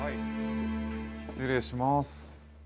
失礼します。